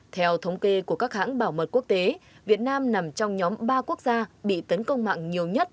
theo thống kê của các hãng bảo mật quốc tế việt nam nằm trong nhóm ba quốc gia bị tấn công mạng nhiều nhất